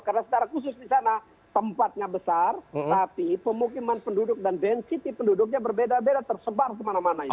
karena secara khusus di sana tempatnya besar tapi pemukiman penduduk dan density penduduknya berbeda beda tersebar kemana mana